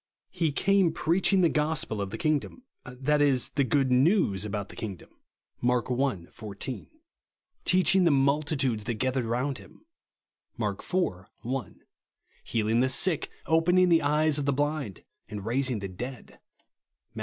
He came preaching the gospel of the kingdom, that is, the good news about the f2 6Q THE PERSON AND WORK kingdom (]\Iark i. 14) ; teaching the mul titudes that gathered round him (Mark iv. 1) ; healing the sick, opening the eyes of the blind, and raising the dead (Matt.